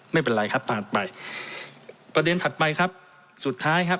ไม่เป็นไรครับผ่านไปประเด็นถัดไปครับสุดท้ายครับ